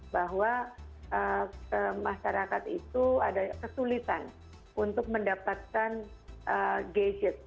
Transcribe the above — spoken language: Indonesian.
bahwa masyarakat itu ada kesulitan untuk mendapatkan gadget